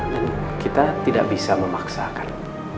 dan kita tidak bisa memaksakan